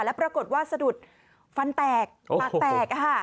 แล้วปรากฏว่าสะดุดฟันแตกปากแตก